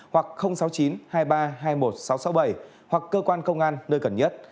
hoặc sáu mươi chín hai nghìn ba trăm hai mươi một sáu trăm sáu mươi bảy hoặc cơ quan công an nơi gần nhất